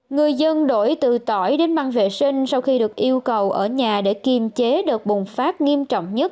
người dân đổi từ tỏi đến măng vệ sinh sau khi được yêu cầu ở nhà để kiềm chế đợt bùng phát nghiêm trọng nhất